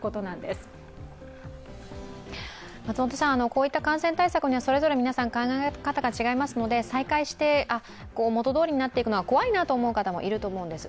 こういった感染対策はそれぞれ皆さん、考え方が違いますので、再開して元どおりになっていくのは怖いなと考える方もいると思います。